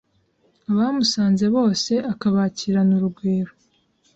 abamusanze bose akabakirana urugwiro”